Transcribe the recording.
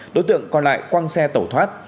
đối tượng còn lại quăng xe tẩu thoát